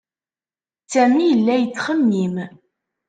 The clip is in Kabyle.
Sami yella yettxemmim.